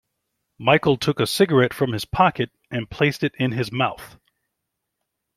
Michael took a cigarette from his pocket and placed it in his mouth.